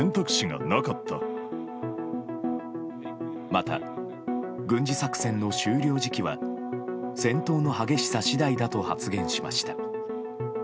また、軍事作戦の終了時期は戦闘の激しさ次第だと発言しました。